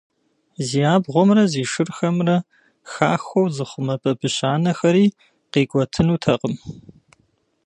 Зи абгъуэмрэ зи шырхэмрэ «хахуэу» зыхъумэ бабыщ анэхэри къикӀуэтынутэкъым.